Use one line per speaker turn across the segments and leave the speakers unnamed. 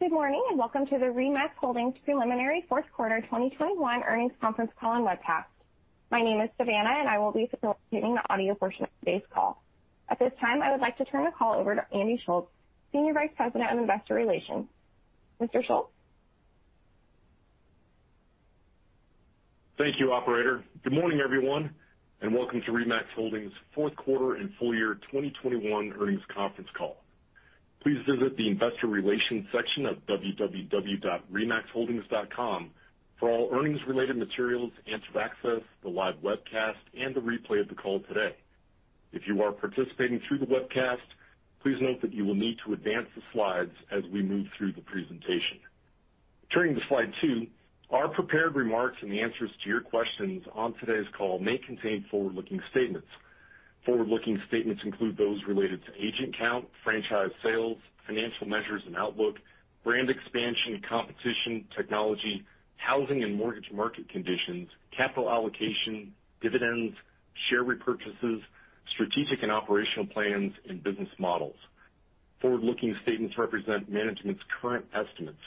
Good morning, and Welcome to the RE/MAX Holdings Preliminary Q4 2021 Earnings Conference Call and Webcast. My name is Savannah, and I will be facilitating the audio portion of today's call. At this time, I would like to turn the call over to Andy Schulz, Senior Vice President of Investor Relations. Mr. Schulz?
Thank you, operator. Good morning, everyone, and welcome to RE/MAX Holdings' Q4 and full year 2021 earnings conference call. Please visit the investor relations section of www.remaxholdings.com for all earnings-related materials and to access the live webcast and the replay of the call today. If you are participating through the webcast, please note that you will need to advance the slides as we move through the presentation. Turning to Slide 2, our prepared remarks and the answers to your questions on today's call may contain forward-looking statements. Forward-looking statements include those related to agent count, franchise sales, financial measures and outlook, brand expansion and competition, technology, housing and mortgage market conditions, capital allocation, dividends, share repurchases, strategic and operational plans, and business models. Forward-looking statements represent management's current estimates.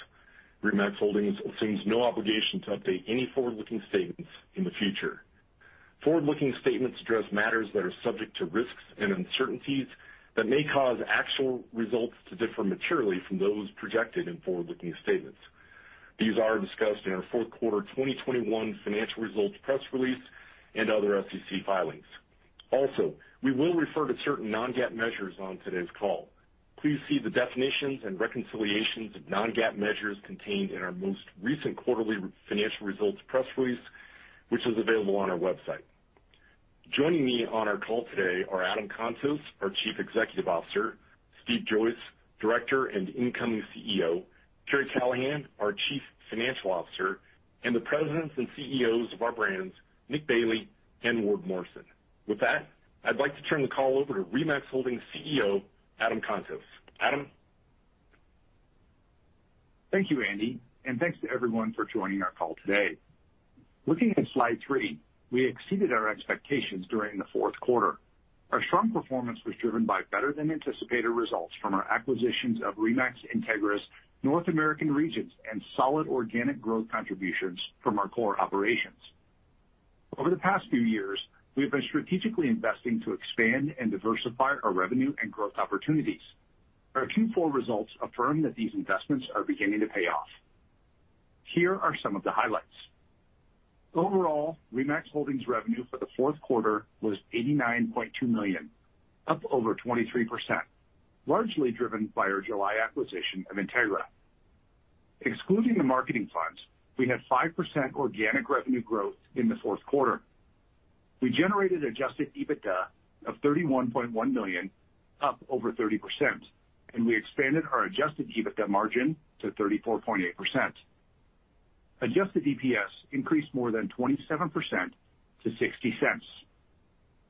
RE/MAX Holdings assumes no obligation to update any forward-looking statements in the future. Forward-looking statements address matters that are subject to risks and uncertainties that may cause actual results to differ materially from those projected in forward-looking statements. These are discussed in our Q4 2021 financial results press release and other SEC filings. Also, we will refer to certain non-GAAP measures on today's call. Please see the definitions and reconciliations of non-GAAP measures contained in our most recent quarterly financial results press release, which is available on our website. Joining me on our call today are Adam Contos, our Chief Executive Officer, Steve Joyce, Director and incoming CEO, Karri Callahan, our Chief Financial Officer, and the presidents and CEOs of our brands, Nick Bailey and Ward Morrison. With that, I'd like to turn the call over to RE/MAX Holdings CEO, Adam Contos. Adam?
Thank you, Andy, and thanks to everyone for joining our call today. Looking at Slide 3, we exceeded our expectations during the Q4. Our strong performance was driven by better than anticipated results from our acquisitions of RE/MAX Integra North American regions and solid organic growth contributions from our core operations. Over the past few years, we have been strategically investing to expand and diversify our revenue and growth opportunities. Our Q4 results affirm that these investments are beginning to pay off. Here are some of the highlights. Overall, RE/MAX Holdings revenue for the Q4 was $89.2 million, up over 23%, largely driven by our July acquisition of Integra. Excluding the marketing funds, we had 5% organic revenue growth in the Q4. We generated adjusted EBITDA of $31.1 million, up over 30%, and we expanded our adjusted EBITDA margin to 34.8%. Adjusted EPS increased more than 27% to $0.60.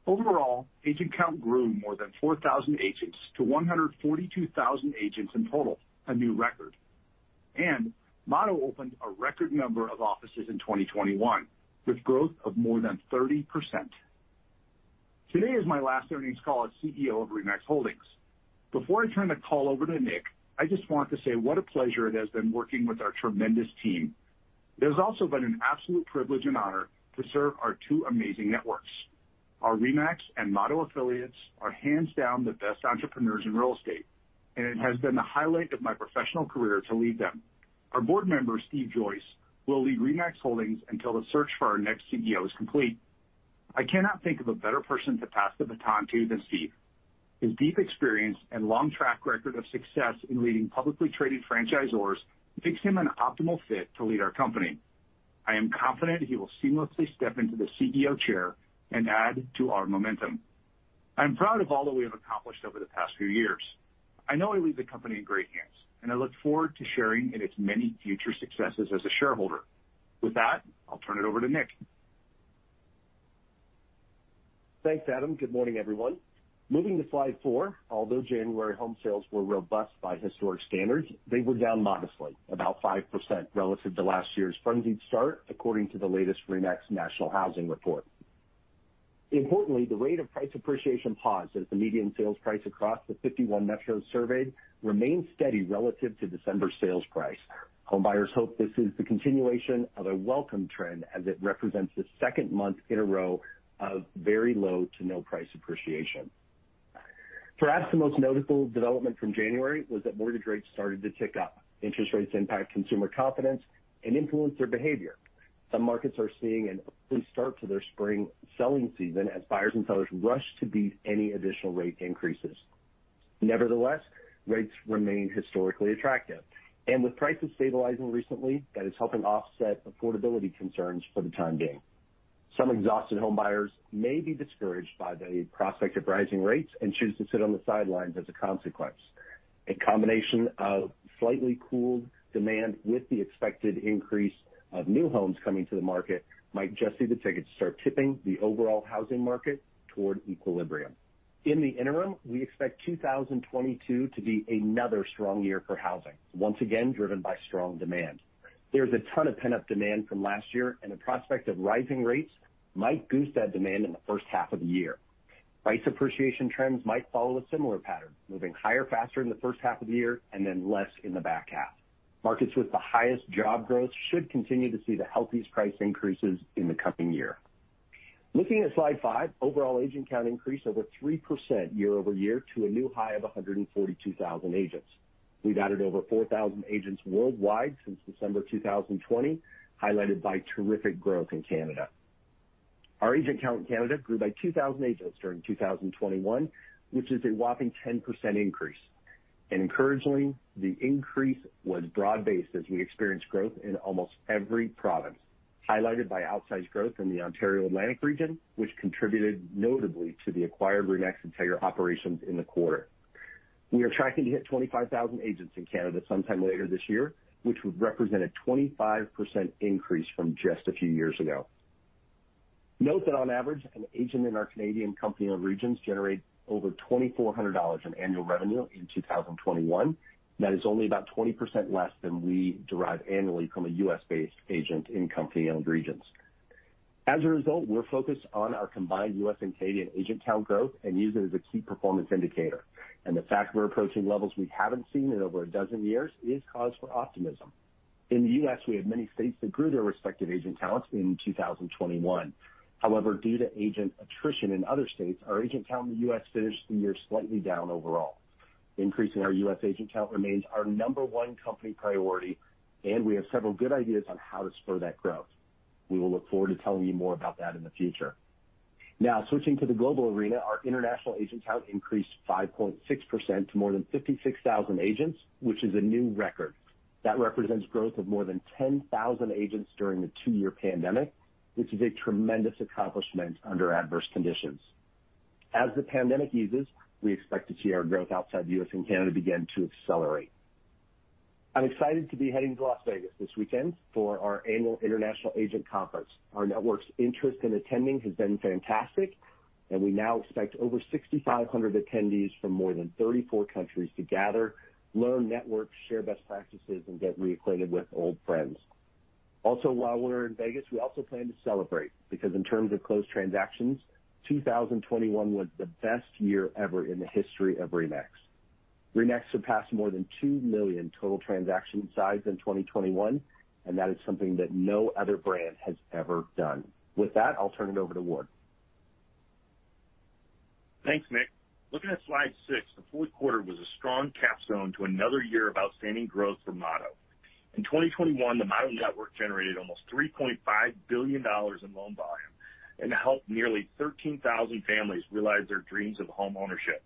Overall, agent count grew more than 4,000 agents to 142,000 agents in total, a new record. Motto opened a record number of offices in 2021, with growth of more than 30%. Today is my last earnings call as CEO of RE/MAX Holdings. Before I turn the call over to Nick, I just want to say what a pleasure it has been working with our tremendous team. It has also been an absolute privilege and honor to serve our two amazing networks. Our RE/MAX and Motto affiliates are hands down the best entrepreneurs in real estate, and it has been the highlight of my professional career to lead them. Our board member, Steve Joyce, will lead RE/MAX Holdings until the search for our next CEO is complete. I cannot think of a better person to pass the baton to than Steve. His deep experience and long track record of success in leading publicly traded franchisors makes him an optimal fit to lead our company. I am confident he will seamlessly step into the CEO chair and add to our momentum. I'm proud of all that we have accomplished over the past few years. I know I leave the company in great hands, and I look forward to sharing in its many future successes as a shareholder. With that, I'll turn it over to Nick.
Thanks, Adam. Good morning, everyone. Moving to Slide 4, although January home sales were robust by historic standards, they were down modestly, about 5% relative to last year's frenzied start, according to the latest RE/MAX National Housing Report. Importantly, the rate of price appreciation paused as the median sales price across the 51 metros surveyed remained steady relative to December sales price. Home buyers hope this is the continuation of a welcome trend as it represents the second month in a row of very low to no price appreciation. Perhaps the most notable development from January was that mortgage rates started to tick up. Interest rates impact consumer confidence and influence their behavior. Some markets are seeing an early start to their spring selling season as buyers and sellers rush to beat any additional rate increases. Nevertheless, rates remain historically attractive, and with prices stabilizing recently, that is helping offset affordability concerns for the time being. Some exhausted home buyers may be discouraged by the prospect of rising rates and choose to sit on the sidelines as a consequence. A combination of slightly cooled demand with the expected increase of new homes coming to the market might just see the ticket start tipping the overall housing market toward equilibrium. In the interim, we expect 2022 to be another strong year for housing, once again driven by strong demand. There's a ton of pent-up demand from last year, and the prospect of rising rates might boost that demand in the first half of the year. Price appreciation trends might follow a similar pattern, moving higher faster in the first half of the year and then less in the back half. Markets with the highest job growth should continue to see the healthiest price increases in the coming year. Looking at Slide 5, overall agent count increased over 3% year-over-year to a new high of 142,000 agents. We've added over 4,000 agents worldwide since December 2020, highlighted by terrific growth in Canada. Our agent count in Canada grew by 2,000 agents during 2021, which is a whopping 10% increase. Encouragingly, the increase was broad-based as we experienced growth in almost every province, highlighted by outsized growth in the Ontario-Atlantic region, which contributed notably to the acquired RE/MAX Integra operations in the quarter. We are tracking to hit 25,000 agents in Canada sometime later this year, which would represent a 25% increase from just a few years ago. Note that on average, an agent in our Canadian company-owned regions generate over $2,400 in annual revenue in 2021. That is only about 20% less than we derive annually from a U.S.-based agent in company-owned regions. As a result, we're focused on our combined U.S. and Canadian agent count growth and use it as a key performance indicator. The fact we're approaching levels we haven't seen in over a dozen years is cause for optimism. In the U.S., we had many states that grew their respective agent counts in 2021. However, due to agent attrition in other states, our agent count in the U.S. finished the year slightly down overall. Increasing our U.S. agent count remains our number one company priority, and we have several good ideas on how to spur that growth. We will look forward to telling you more about that in the future. Now, switching to the global arena, our international agent count increased 5.6% to more than 56,000 agents, which is a new record. That represents growth of more than 10,000 agents during the two-year pandemic, which is a tremendous accomplishment under adverse conditions. As the pandemic eases, we expect to see our growth outside the U.S. and Canada begin to accelerate. I'm excited to be heading to Las Vegas this weekend for our annual International Agent Conference. Our network's interest in attending has been fantastic, and we now expect over 6,500 attendees from more than 34 countries to gather, learn, network, share best practices, and get reacquainted with old friends. Also, while we're in Vegas, we also plan to celebrate because in terms of closed transactions, 2021 was the best year ever in the history of RE/MAX. RE/MAX surpassed more than two million total transaction size in 2021, and that is something that no other brand has ever done. With that, I'll turn it over to Ward.
Thanks, Nick. Looking at Slide 6, the Q4 was a strong capstone to another year of outstanding growth for Motto. In 2021, the Motto network generated almost $3.5 billion in loan volume and helped nearly 13,000 families realize their dreams of homeownership.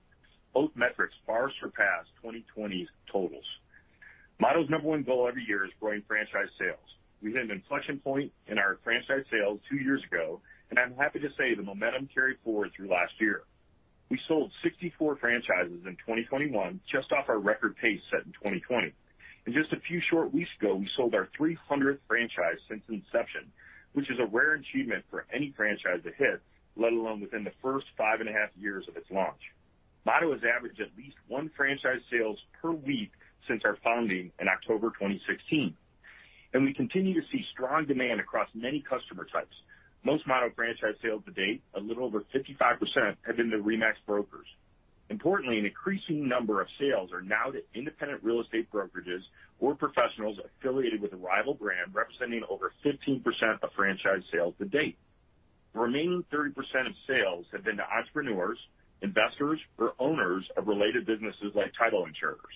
Both metrics far surpassed 2020's totals. Motto's number one goal every year is growing franchise sales. We hit an inflection point in our franchise sales two years ago, and I'm happy to say the momentum carried forward through last year. We sold 64 franchises in 2021, just off our record pace set in 2020. Just a few short weeks ago, we sold our 300th franchise since inception, which is a rare achievement for any franchise to hit, let alone within the first 5.5 years of its launch. Motto has averaged at least one franchise sales per week since our founding in October 2016, and we continue to see strong demand across many customer types. Most Motto franchise sales to date, a little over 55%, have been to RE/MAX brokers. Importantly, an increasing number of sales are now to independent real estate brokerages or professionals affiliated with a rival brand representing over 15% of franchise sales to date. The remaining 30% of sales have been to entrepreneurs, investors or owners of related businesses like title insurers.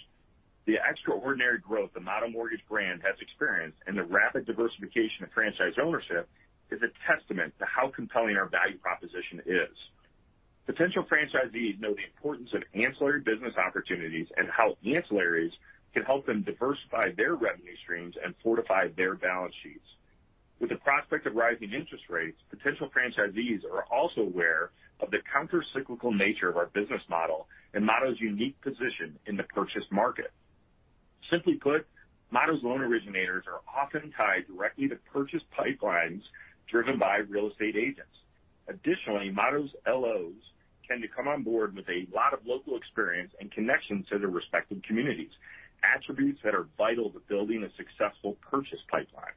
The extraordinary growth the Motto Mortgage brand has experienced and the rapid diversification of franchise ownership is a testament to how compelling our value proposition is. Potential franchisees know the importance of ancillary business opportunities and how ancillaries can help them diversify their revenue streams and fortify their balance sheets. With the prospect of rising interest rates, potential franchisees are also aware of the counter-cyclical nature of our business model and Motto's unique position in the purchase market. Simply put, Motto's loan originators are often tied directly to purchase pipelines driven by real estate agents. Additionally, Motto's LOs tend to come on board with a lot of local experience and connections to their respective communities, attributes that are vital to building a successful purchase pipeline.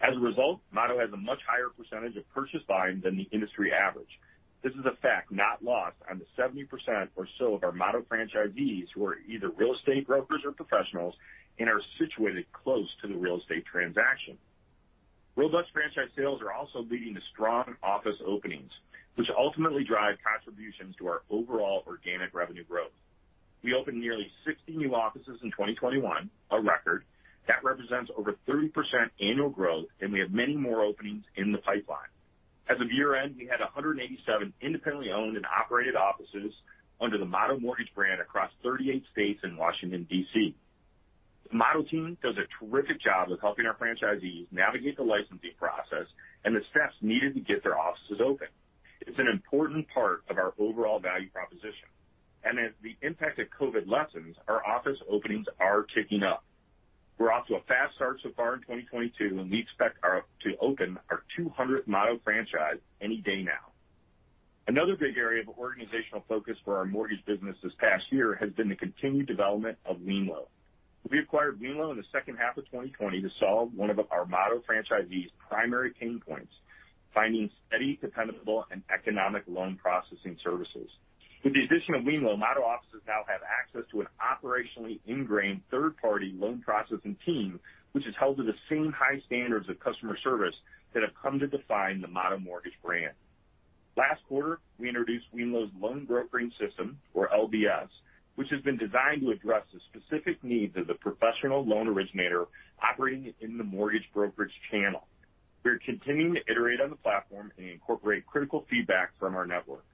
As a result, Motto has a much higher percentage of purchase volume than the industry average. This is a fact not lost on the 70% or so of our Motto franchisees who are either real estate brokers or professionals and are situated close to the real estate transaction. Robust franchise sales are also leading to strong office openings, which ultimately drive contributions to our overall organic revenue growth. We opened nearly 60 new offices in 2021, a record, that represents over 30% annual growth, and we have many more openings in the pipeline. As of year-end, we had 187 independently owned and operated offices under the Motto Mortgage brand across 38 states in Washington, D.C. The Motto team does a terrific job of helping our franchisees navigate the licensing process and the steps needed to get their offices open. It's an important part of our overall value proposition. As the impact of COVID lessens, our office openings are ticking up. We're off to a fast start so far in 2022, and we expect to open our 200th Motto franchise any day now. Another big area of organizational focus for our mortgage business this past year has been the continued development of wemlo. We acquired wemlo in the second half of 2020 to solve one of our Motto franchisees primary pain points, finding steady, dependable, and economic loan processing services. With the addition of wemlo, Motto offices now have access to an operationally ingrained third-party loan processing team, which is held to the same high standards of customer service that have come to define the Motto Mortgage brand. Last quarter, we introduced wemlo's Loan Brokering System, or LBS, which has been designed to address the specific needs of the professional loan originator operating in the mortgage brokerage channel. We are continuing to iterate on the platform and incorporate critical feedback from our network.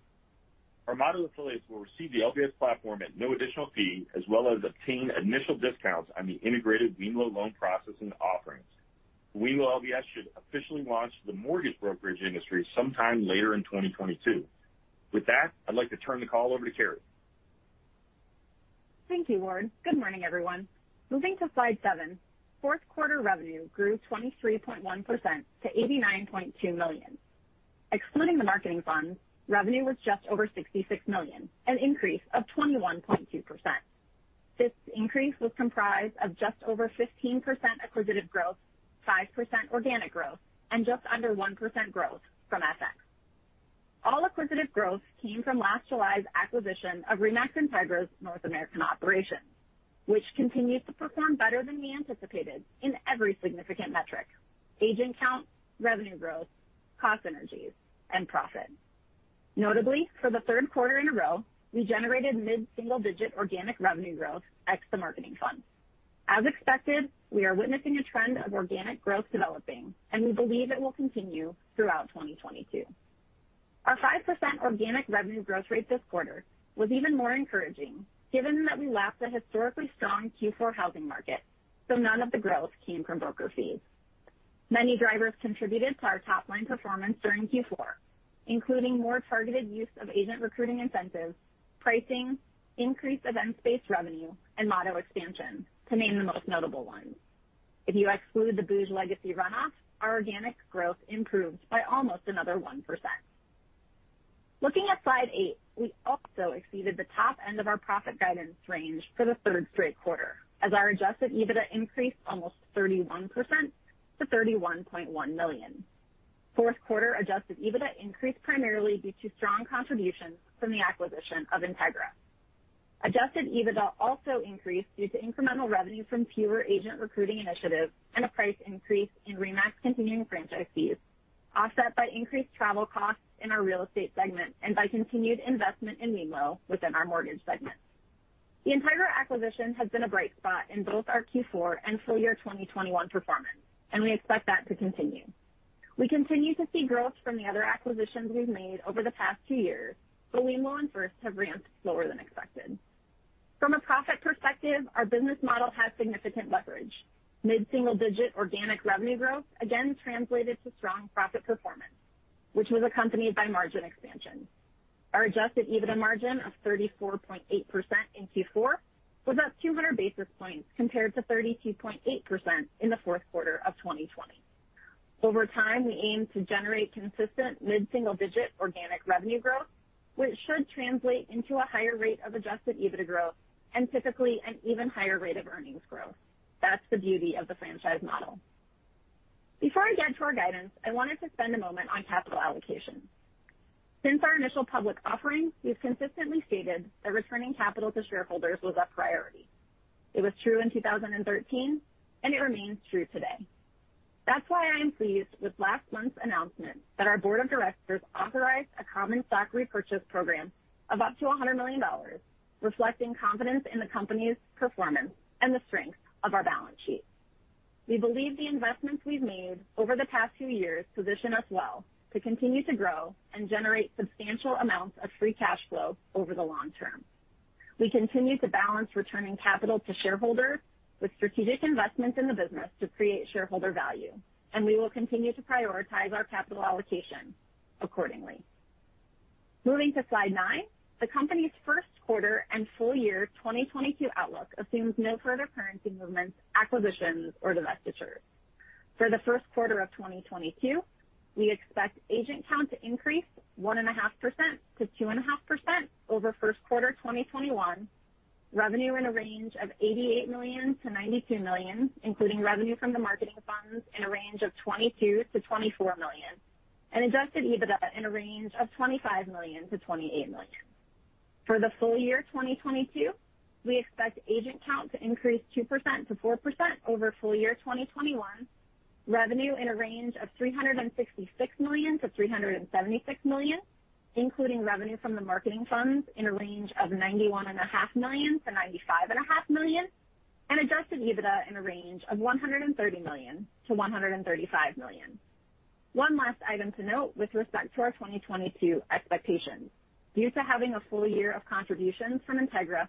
Our Motto affiliates will receive the LBS platform at no additional fee as well as obtain initial discounts on the integrated wemlo loan processing offerings. wemlo LBS should officially launch the mortgage brokerage industry sometime later in 2022. With that, I'd like to turn the call over to Karri.
Thank you, Ward. Good morning, everyone. Moving to Slide 7. Q4 revenue grew 23.1% to $89.2 million. Excluding the marketing funds, revenue was just over $66 million, an increase of 21.2%. This increase was comprised of just over 15% acquisitive growth, 5% organic growth, and just under 1% growth from FX. All acquisitive growth came from last July's acquisition of RE/MAX Integra's North American operations, which continued to perform better than we anticipated in every significant metric, agent count, revenue growth, cost synergies, and profit. Notably, for the third quarter in a row, we generated mid-single-digit organic revenue growth ex the marketing funds. As expected, we are witnessing a trend of organic growth developing, and we believe it will continue throughout 2022. Our 5% organic revenue growth rate this quarter was even more encouraging given that we lapped a historically strong Q4 housing market, so none of the growth came from broker fees. Many drivers contributed to our top line performance during Q4, including more targeted use of agent recruiting incentives, pricing, increased event space revenue, and Motto expansion to name the most notable ones. If you exclude the booj legacy runoff, our organic growth improved by almost another 1%. Looking at Slide 8, we also exceeded the top end of our profit guidance range for the third straight quarter as our adjusted EBITDA increased almost 31% to $31.1 million. Q4 adjusted EBITDA increased primarily due to strong contributions from the acquisition of Integra. Adjusted EBITDA also increased due to incremental revenue from pure agent recruiting initiatives and a price increase in RE/MAX continuing franchise fees, offset by increased travel costs in our real estate segment and by continued investment in wemlo within our mortgage segment. The RE/MAX Integra acquisition has been a bright spot in both our Q4 and full year 2021 performance, and we expect that to continue. We continue to see growth from the other acquisitions we've made over the past two years, but wemlo and First have ramped slower than expected. From a profit perspective, our business model has significant leverage. Mid-single-digit organic revenue growth again translated to strong profit performance, which was accompanied by margin expansion. Our adjusted EBITDA margin of 34.8% in Q4 was up 200 basis points compared to 32.8% in the Q4 of 2020. Over time, we aim to generate consistent mid-single-digit organic revenue growth, which should translate into a higher rate of adjusted EBITDA growth and typically an even higher rate of earnings growth. That's the beauty of the franchise model. Before I get to our guidance, I wanted to spend a moment on capital allocation. Since our initial public offering, we've consistently stated that returning capital to shareholders was a priority. It was true in 2013, and it remains true today. That's why I am pleased with last month's announcement that our board of directors authorized a common stock repurchase program of up to $100 million, reflecting confidence in the company's performance and the strength of our balance sheet. We believe the investments we've made over the past few years position us well to continue to grow and generate substantial amounts of free cash flow over the long term. We continue to balance returning capital to shareholders with strategic investments in the business to create shareholder value, and we will continue to prioritize our capital allocation accordingly. Moving to Slide 9. The company's Q1 and full year 2022 outlook assumes no further currency movements, acquisitions, or divestitures. For the Q1 of 2022, we expect agent count to increase 1.5%-2.5% over Q1 2021. Revenue in a range of $88 million-$92 million, including revenue from the marketing funds in a range of $22 million-$24 million, and adjusted EBITDA in a range of $25 million-$28 million. For the full year 2022, we expect agent count to increase 2%-4% over full year 2021. Revenue in a range of $366 million-$376 million, including revenue from the marketing funds in a range of $91.5 million-$95.5 million, and adjusted EBITDA in a range of $130 million-$135 million. One last item to note with respect to our 2022 expectations. Due to having a full year of contributions from Integra,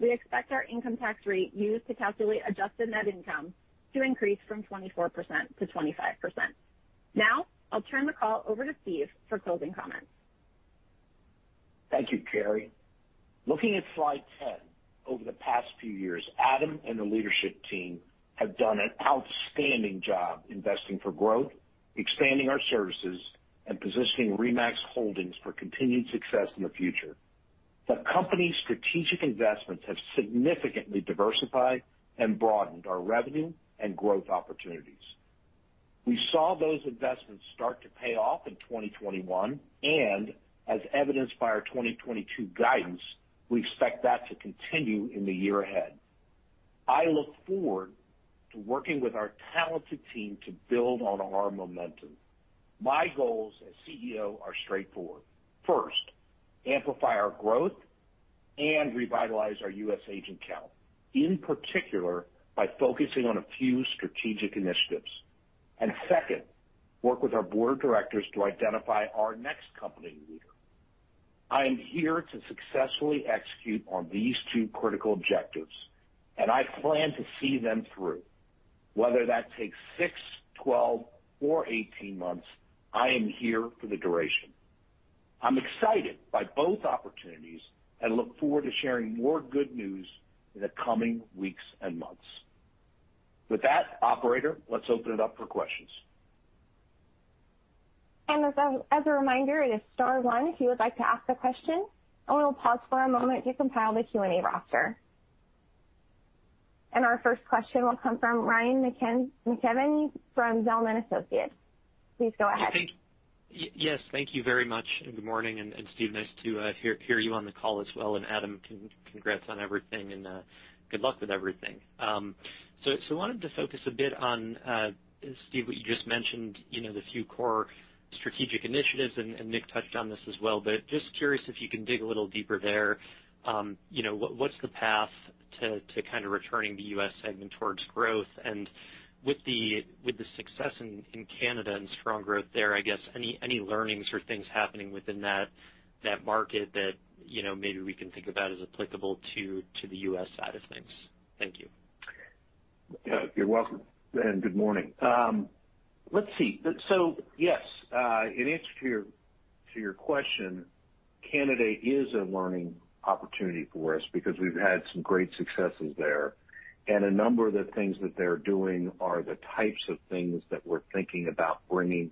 we expect our income tax rate used to calculate adjusted net income to increase from 24%-25%. Now, I'll turn the call over to Steve for closing comments.
Thank you, Karri. Looking at Slide 10, over the past few years, Adam and the leadership team have done an outstanding job investing for growth, expanding our services, and positioning RE/MAX Holdings for continued success in the future. The company's strategic investments have significantly diversified and broadened our revenue and growth opportunities. We saw those investments start to pay off in 2021, and as evidenced by our 2022 guidance, we expect that to continue in the year ahead. I look forward to working with our talented team to build on our momentum. My goals as CEO are straightforward. First, amplify our growth and revitalize our U.S. agent count, in particular, by focusing on a few strategic initiatives. Second, work with our board of directors to identify our next company leader. I am here to successfully execute on these two critical objectives, and I plan to see them through. Whether that takes six, 12 or 18 months, I am here for the duration. I'm excited by both opportunities and look forward to sharing more good news in the coming weeks and months. With that, operator, let's open it up for questions.
As a reminder, it is star one if you would like to ask a question. We'll pause for a moment to compile the Q&A roster. Our first question will come from Ryan McKeveny from Zelman & Associates. Please go ahead.
Yes, thank you very much, and good morning. Steve, nice to hear you on the call as well. Adam, congrats on everything and good luck with everything. So wanted to focus a bit on Steve, what you just mentioned, you know, the few core strategic initiatives, and Nick touched on this as well, but just curious if you can dig a little deeper there. You know, what's the path to kind of returning the U.S. segment towards growth? With the success in Canada and strong growth there, I guess any learnings or things happening within that market that, you know, maybe we can think about as applicable to the U.S. side of things? Thank you.
You're welcome, and good morning. Yes, in answer to your question, Canada is a learning opportunity for us because we've had some great successes there. A number of the things that they're doing are the types of things that we're thinking about bringing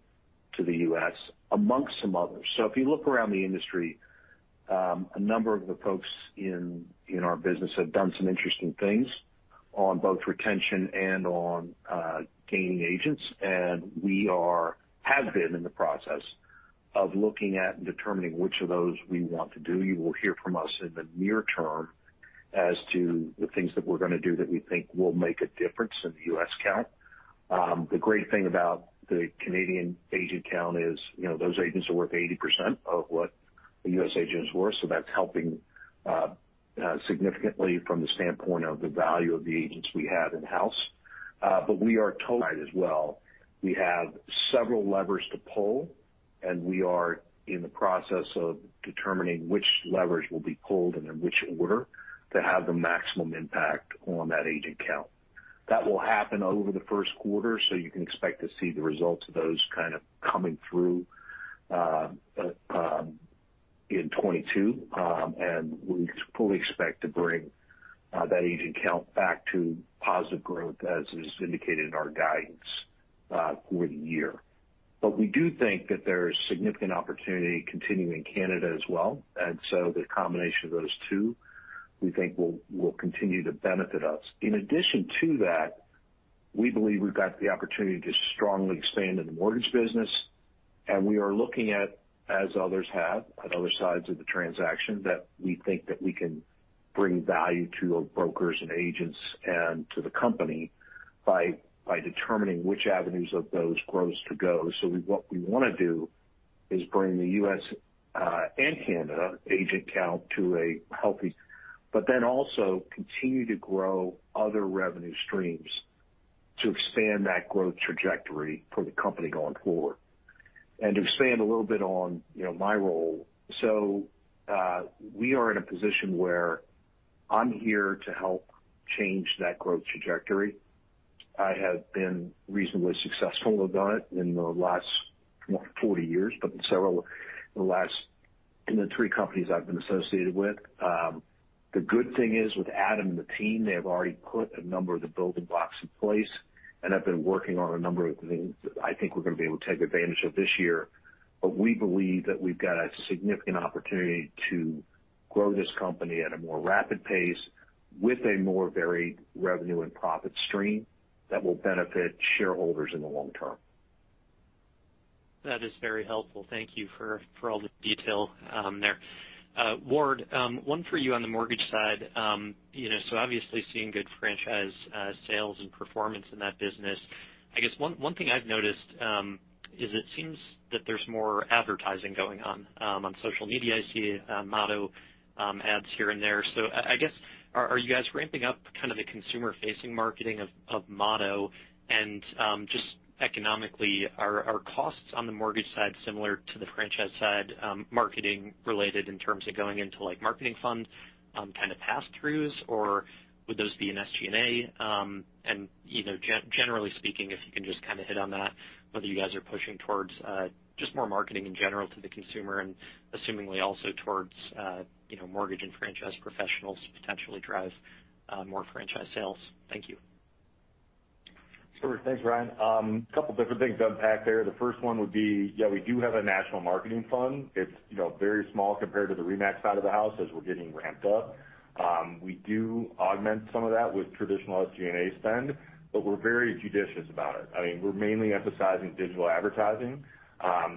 to the U.S. among some others. If you look around the industry, a number of the folks in our business have done some interesting things on both retention and on gaining agents. We have been in the process of looking at and determining which of those we want to do. You will hear from us in the near term as to the things that we're gonna do that we think will make a difference in the U.S. count. The great thing about the Canadian agent count is, you know, those agents are worth 80% of what the U.S. agents were. That's helping significantly from the standpoint of the value of the agents we have in-house. We're on it as well. We have several levers to pull, and we are in the process of determining which levers will be pulled and in which order to have the maximum impact on that agent count. That will happen over the Q1, you can expect to see the results of those kind of coming through in 2022. We fully expect to bring that agent count back to positive growth as is indicated in our guidance for the year. We do think that there is significant opportunity continuing in Canada as well. The combination of those two, we think will continue to benefit us. In addition to that, we believe we've got the opportunity to strongly expand in the mortgage business, and we are looking at, as others have on other sides of the transaction, that we think that we can bring value to our brokers and agents and to the company by determining which avenues of those grows to go. What we wanna do is bring the U.S. and Canada agent count to a healthy, but then also continue to grow other revenue streams to expand that growth trajectory for the company going forward. To expand a little bit on, you know, my role. We are in a position where I'm here to help change that growth trajectory. I have been reasonably successful about it in the last 40 years, but in the three companies I've been associated with. The good thing is, with Adam and the team, they have already put a number of the building blocks in place and have been working on a number of things that I think we're gonna be able to take advantage of this year. We believe that we've got a significant opportunity to grow this company at a more rapid pace with a more varied revenue and profit stream that will benefit shareholders in the long term.
That is very helpful. Thank you for all the detail there. Ward, one for you on the mortgage side. You know, obviously seeing good franchise sales and performance in that business. I guess one thing I've noticed is it seems that there's more advertising going on on social media. I see Motto ads here and there. I guess, are you guys ramping up kind of the consumer-facing marketing of Motto? Just economically, are costs on the mortgage side similar to the franchise side, marketing related in terms of going into, like, marketing fund kind of pass-throughs, or would those be in SG&A? Generally speaking, if you can just kind of hit on that, whether you guys are pushing towards just more marketing in general to the consumer and assumingly also towards, you know, mortgage and franchise professionals to potentially drive more franchise sales. Thank you.
Sure. Thanks, Ryan. A couple different things to unpack there. The first one would be, yeah, we do have a national marketing fund. It's, you know, very small compared to the RE/MAX side of the house as we're getting ramped up. We do augment some of that with traditional SG&A spend, but we're very judicious about it. I mean, we're mainly emphasizing digital advertising.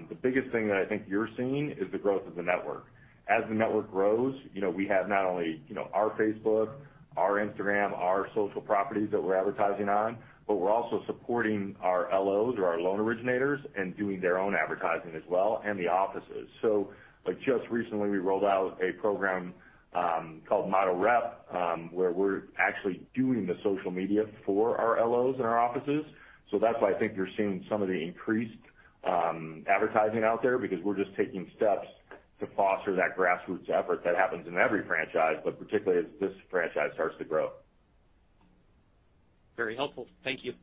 The biggest thing that I think you're seeing is the growth of the network. As the network grows, you know, we have not only, you know, our Facebook, our Instagram, our social properties that we're advertising on, but we're also supporting our LOs or our loan originators in doing their own advertising as well, and the offices. Like, just recently, we rolled out a program called Motto REP, where we're actually doing the social media for our LOs and our offices. That's why I think you're seeing some of the increased advertising out there because we're just taking steps to foster that grassroots effort that happens in every franchise, but particularly as this franchise starts to grow.
Very helpful. Thank you.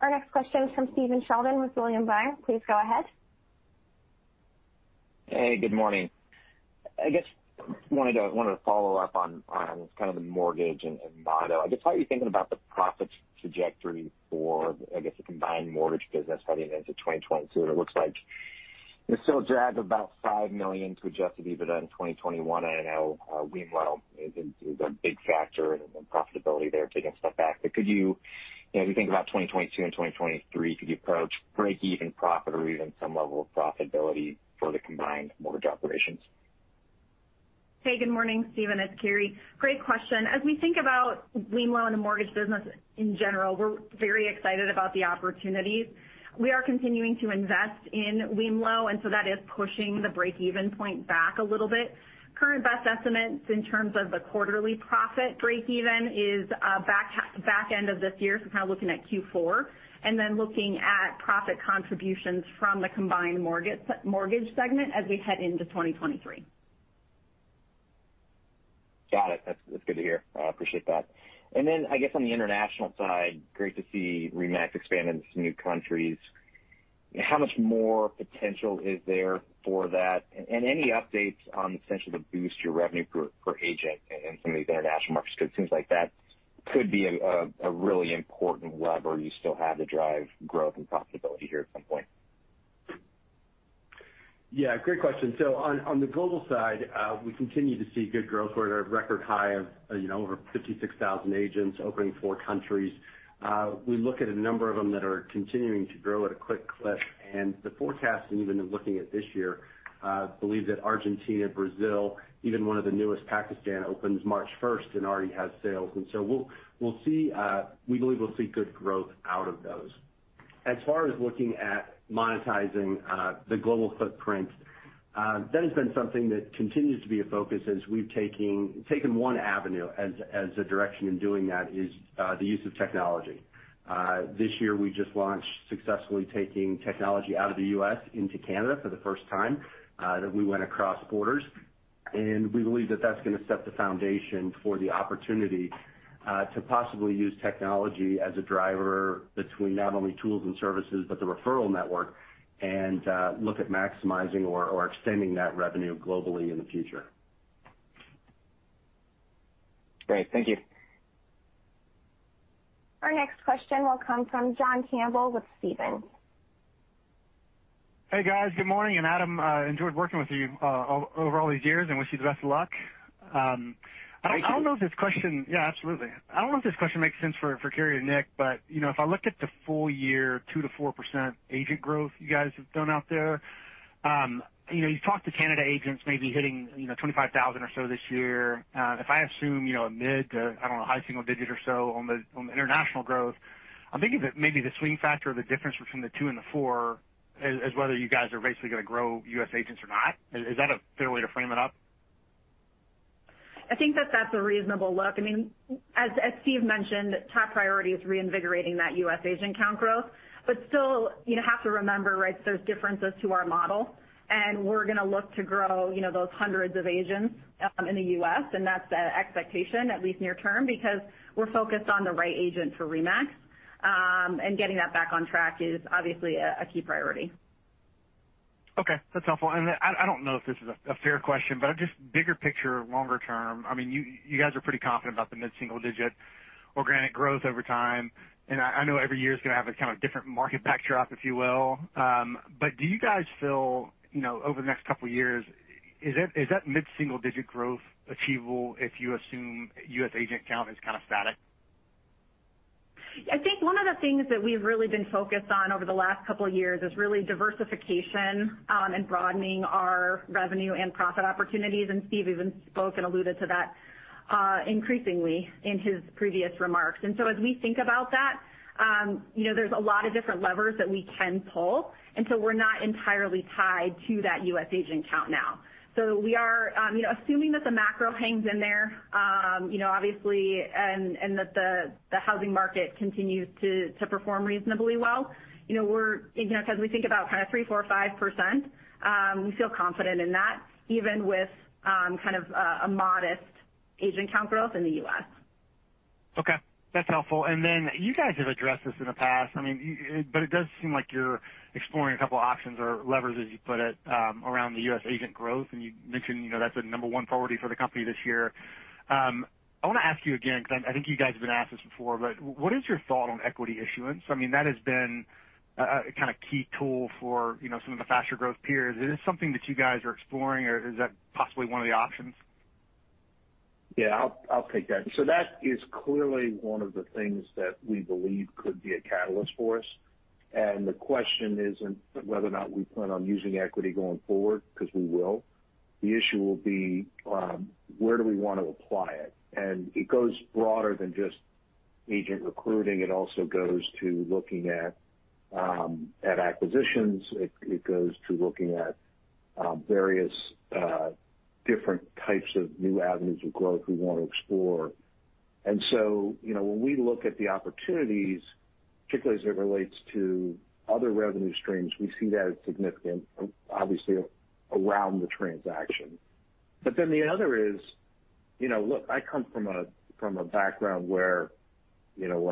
Our next question is from Stephen Sheldon with William Blair. Please go ahead.
Hey, good morning. I guess I wanted to follow up on kind of the mortgage and Motto. I guess how are you thinking about the profit trajectory for the combined mortgage business heading into 2022? It looks like it'll still drag about $5 million to adjusted EBITDA in 2021. I know wemlo is a big factor in the profitability there, taking a step back. Could you know, as you think about 2022 and 2023, approach breakeven profit or even some level of profitability for the combined mortgage operations?
Hey, good morning, Stephen. It's Karri. Great question. As we think about wemlo and the mortgage business in general, we're very excited about the opportunities. We are continuing to invest in wemlo, and so that is pushing the breakeven point back a little bit. Current best estimates in terms of the quarterly profit breakeven is back end of this year, so kind of looking at Q4, and then looking at profit contributions from the combined mortgage segment as we head into 2023.
Got it. That's good to hear. I appreciate that. I guess on the international side, great to see RE/MAX expand into some new countries. How much more potential is there for that? Any updates on the potential to boost your revenue per agent in some of these international markets? 'Cause it seems like that could be a really important lever you still have to drive growth and profitability here at some point.
Yeah, great question. On the global side, we continue to see good growth. We're at a record high of, you know, over 56,000 agents opening four countries. We look at a number of them that are continuing to grow at a quick clip, and even in looking at this year, believe that Argentina, Brazil, even one of the newest, Pakistan, opens March 1st and already has sales. We believe we'll see good growth out of those. As far as looking at monetizing the global footprint, that has been something that continues to be a focus as we've taken one avenue as a direction in doing that is the use of technology. This year we just launched successfully taking technology out of the U.S. into Canada for the first time that we went across borders. We believe that that's gonna set the foundation for the opportunity to possibly use technology as a driver between not only tools and services, but the referral network, and look at maximizing or extending that revenue globally in the future.
Great. Thank you.
Our next question will come from John Campbell with Stephens.
Hey, guys. Good morning. Adam, enjoyed working with you over all these years and wish you the best of luck.
Thank you.
I don't know if this question makes sense for Karri or Nick, but you know, if I look at the full year 2%-4% agent growth you guys have done out there, you know, you've talked to Canadian agents maybe hitting 25,000 or so this year. If I assume a mid- to high-single-digit or so on the international growth, I'm thinking that maybe the swing factor or the difference between the 2% and the 4% is whether you guys are basically gonna grow U.S. agents or not. Is that a fair way to frame it up?
I think that that's a reasonable look. I mean, as Steve mentioned, top priority is reinvigorating that U.S. agent count growth. Still, you have to remember, right, there's differences to our model, and we're gonna look to grow, you know, those hundreds of agents in the U.S., and that's the expectation, at least near term, because we're focused on the right agent for RE/MAX, and getting that back on track is obviously a key priority.
Okay. That's helpful. I don't know if this is a fair question, but just bigger picture, longer term, I mean, you guys are pretty confident about the mid-single digit organic growth over time. I know every year is gonna have a kind of different market backdrop, if you will. Do you guys feel, you know, over the next couple years, is that mid-single digit growth achievable if you assume U.S. agent count is kind of static?
I think one of the things that we've really been focused on over the last couple years is really diversification, and broadening our revenue and profit opportunities. Steve even spoke and alluded to that, increasingly in his previous remarks. As we think about that, you know, there's a lot of different levers that we can pull, and so we're not entirely tied to that U.S. agent count now. We are, you know, assuming that the macro hangs in there, you know, obviously, and that the housing market continues to perform reasonably well, you know, we're, you know, as we think about kind of 3%, 4%, 5%, we feel confident in that, even with, kind of, a modest agent count growth in the U.S.
Okay, that's helpful. You guys have addressed this in the past. I mean, you, but it does seem like you're exploring a couple options or levers, as you put it, around the U.S. agent growth. You mentioned, you know, that's a number one priority for the company this year. I wanna ask you again, 'cause I think you guys have been asked this before, but what is your thought on equity issuance? I mean, that has been, a kind of key tool for, you know, some of the faster growth peers. Is it something that you guys are exploring or is that possibly one of the options?
Yeah, I'll take that. That is clearly one of the things that we believe could be a catalyst for us. The question isn't whether or not we plan on using equity going forward, 'cause we will. The issue will be where do we wanna apply it? It goes broader than just agent recruiting. It also goes to looking at acquisitions. It goes to looking at various different types of new avenues of growth we wanna explore. You know, when we look at the opportunities, particularly as it relates to other revenue streams, we see that as significant, obviously around the transaction. The other is, you know, look, I come from a background where, you know,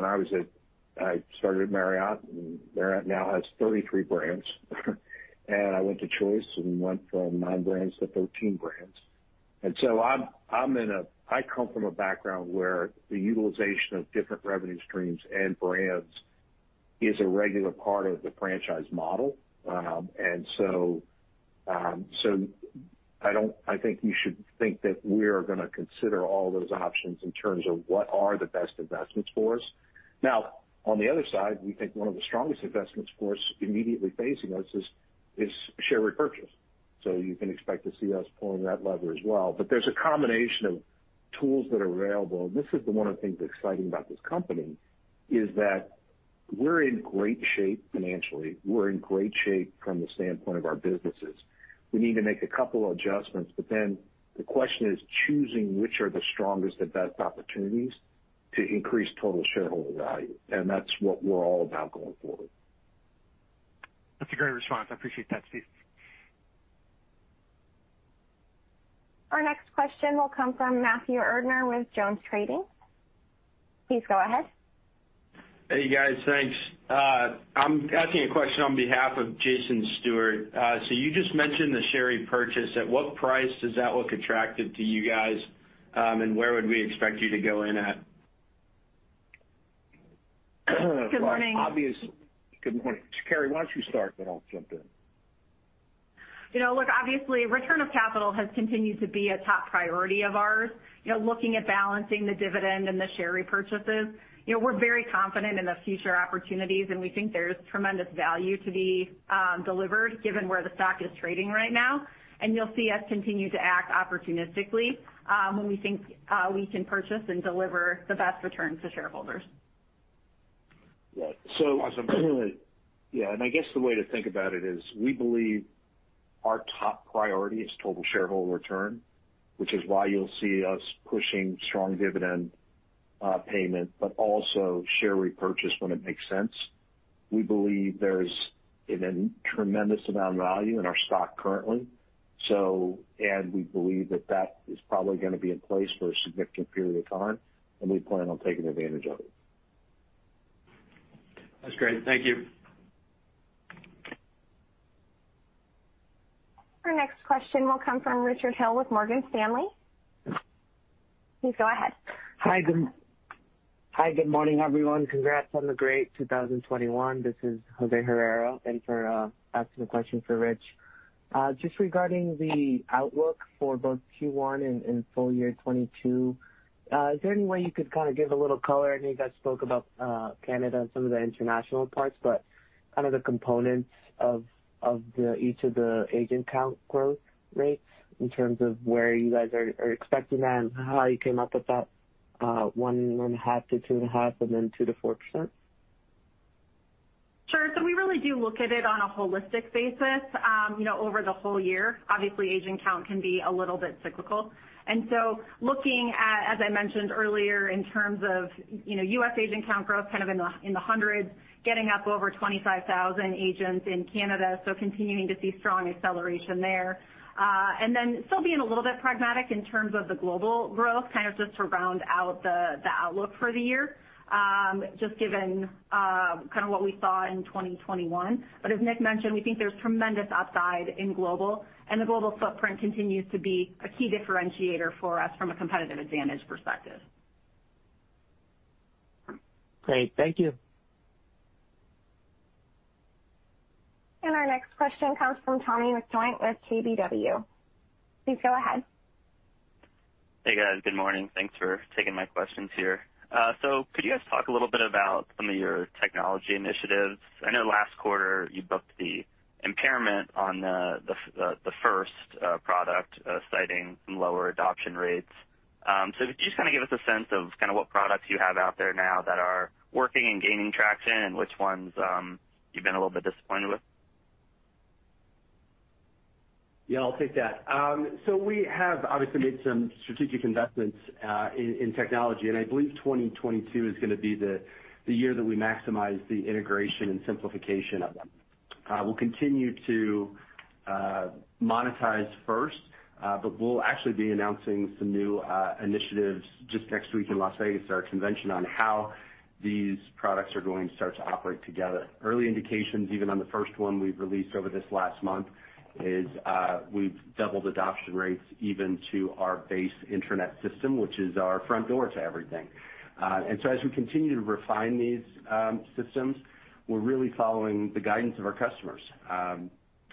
I started at Marriott, and Marriott now has 33 brands. I went to Choice and went from nine brands to 13 brands. I come from a background where the utilization of different revenue streams and brands is a regular part of the franchise model. I think you should think that we are gonna consider all those options in terms of what are the best investments for us. Now, on the other side, we think one of the strongest investments for us immediately facing us is share repurchase. You can expect to see us pulling that lever as well. There's a combination of tools that are available, and this is the one of the things exciting about this company, is that we're in great shape financially. We're in great shape from the standpoint of our businesses. We need to make a couple adjustments, but then the question is choosing which are the strongest and best opportunities to increase total shareholder value. That's what we're all about going forward.
That's a great response. I appreciate that, Steve.
Our next question will come from Matthew Erdner with Jones Trading. Please go ahead.
Hey, guys. Thanks. I'm asking a question on behalf of Jason Stewart. You just mentioned the share repurchase. At what price does that look attractive to you guys, and where would we expect you to go in at?
Well, obviously.
Good morning.
Good morning. Karri, why don't you start, then I'll jump in.
You know, look, obviously, return of capital has continued to be a top priority of ours. You know, looking at balancing the dividend and the share repurchases, you know, we're very confident in the future opportunities, and we think there's tremendous value to be delivered given where the stock is trading right now. You'll see us continue to act opportunistically when we think we can purchase and deliver the best return to shareholders.
Awesome.
Yeah. I guess the way to think about it is we believe our top priority is total shareholder return, which is why you'll see us pushing strong dividend payment, but also share repurchase when it makes sense. We believe there's a tremendous amount of value in our stock currently, so we believe that is probably gonna be in place for a significant period of time, and we plan on taking advantage of it.
That's great. Thank you.
Our next question will come from Richard Hill with Morgan Stanley. Please go ahead.
Hi, good morning, everyone. Congrats on the great 2021. This is Jose Herrera in for asking a question for Rich. Just regarding the outlook for both Q1 and full year 2022, is there any way you could kind of give a little color? I know you guys spoke about Canada and some of the international parts, but kind of the components of each of the agent count growth rates in terms of where you guys are expecting that and how you came up with that 1.5%-2.5%, and then 2%-4%.
Sure. We really do look at it on a holistic basis over the whole year. Obviously, agent count can be a little bit cyclical. Looking at, as I mentioned earlier, in terms of U.S. agent count growth kind of in the hundreds, getting up over 25,000 agents in Canada, continuing to see strong acceleration there. Still being a little bit pragmatic in terms of the global growth, kind of just to round out the outlook for the year, given what we saw in 2021. As Nick mentioned, we think there's tremendous upside in global, and the global footprint continues to be a key differentiator for us from a competitive advantage perspective.
Great. Thank you.
Our next question comes from Tommy McJoynt with KBW. Please go ahead.
Hey, guys. Good morning. Thanks for taking my questions here. Could you guys talk a little bit about some of your technology initiatives? I know last quarter you booked the impairment on the First product, citing some lower adoption rates. Could you just kind of give us a sense of kind of what products you have out there now that are working and gaining traction, and which ones you've been a little bit disappointed with?
Yeah, I'll take that. We have obviously made some strategic investments in technology, and I believe 2022 is gonna be the year that we maximize the integration and simplification of them. We'll continue to monetize First, but we'll actually be announcing some new initiatives just next week in Las Vegas, our convention, on how these products are going to start to operate together. Early indications, even on the first one we've released over this last month, is we've doubled adoption rates even to our base internet system, which is our front door to everything. As we continue to refine these systems, we're really following the guidance of our customers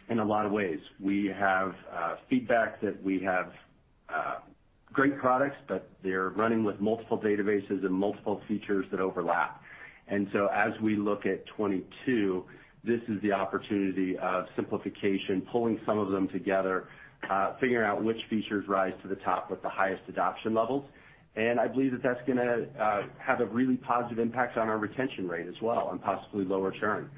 in a lot of ways. We have feedback that we have great products, but they're running with multiple databases and multiple features that overlap. As we look at 2022, this is the opportunity of simplification, pulling some of them together, figuring out which features rise to the top with the highest adoption levels. I believe that that's gonna have a really positive impact on our retention rate as well and possibly lower churn.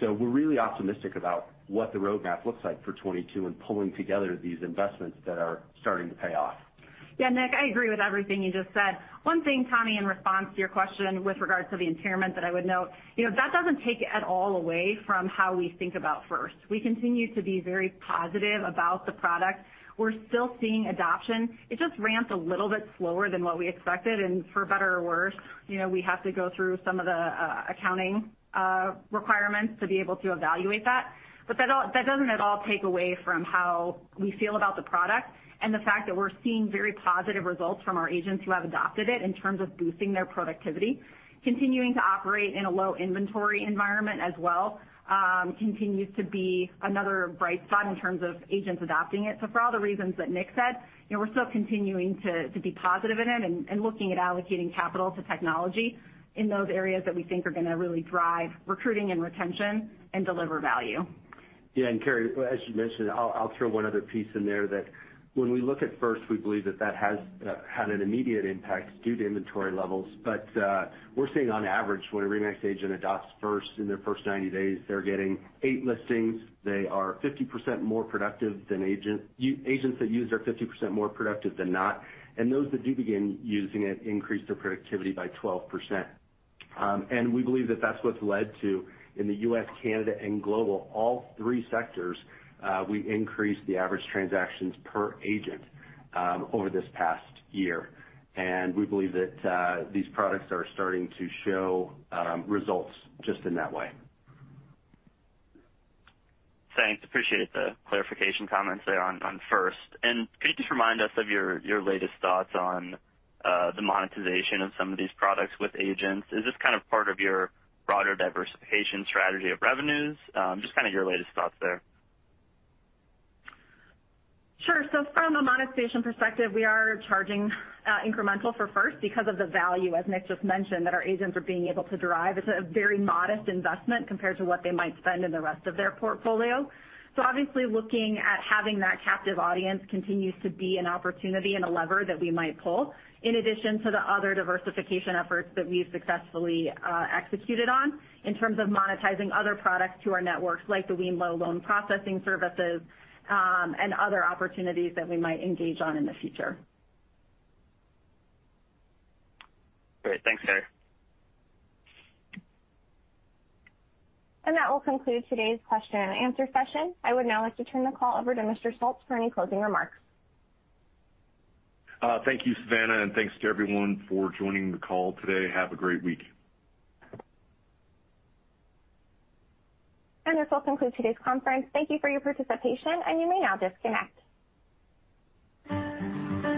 We're really optimistic about what the roadmap looks like for 2022 and pulling together these investments that are starting to pay off.
Yeah, Nick, I agree with everything you just said. One thing, Tommy, in response to your question with regards to the impairment that I would note, you know, that doesn't take at all away from how we think about First. We continue to be very positive about the product. We're still seeing adoption. It just ramps a little bit slower than what we expected, and for better or worse, you know, we have to go through some of the accounting requirements to be able to evaluate that. But that doesn't at all take away from how we feel about the product and the fact that we're seeing very positive results from our agents who have adopted it in terms of boosting their productivity. Continuing to operate in a low inventory environment as well continues to be another bright spot in terms of agents adopting it. For all the reasons that Nick said, you know, we're still continuing to be positive in it and looking at allocating capital to technology in those areas that we think are gonna really drive recruiting and retention and deliver value.
Yeah, Karri, as you mentioned, I'll throw one other piece in there that when we look at First, we believe that has had an immediate impact due to inventory levels. We're seeing on average, when a RE/MAX agent adopts First in their first 90 days, they're getting eight listings. They are 50% more productive than agents. Agents that use are 50% more productive than not, and those that do begin using it increase their productivity by 12%. We believe that that's what's led to, in the U.S., Canada, and global, all three sectors, we increased the average transactions per agent over this past year. We believe that these products are starting to show results just in that way.
Thanks. Appreciate the clarification comments there on First. Could you just remind us of your latest thoughts on the monetization of some of these products with agents? Is this kind of part of your broader diversification strategy of revenues? Just kind of your latest thoughts there.
Sure. From a monetization perspective, we are charging incremental for First because of the value, as Nick just mentioned, that our agents are being able to derive. It's a very modest investment compared to what they might spend in the rest of their portfolio. Obviously, looking at having that captive audience continues to be an opportunity and a lever that we might pull, in addition to the other diversification efforts that we've successfully executed on in terms of monetizing other products to our networks, like the wemlo loan processing services, and other opportunities that we might engage on in the future.
Great. Thanks, Karri.
That will conclude today's question and answer session. I would now like to turn the call over to Mr. Schulz for any closing remarks.
Thank you, Savannah, and thanks to everyone for joining the call today. Have a great week.
This will conclude today's conference. Thank you for your participation, and you may now disconnect.